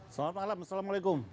selamat malam assalamualaikum